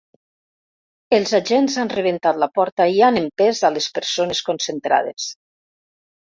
Els agents han rebentat la porta i han empès a les persones concentrades.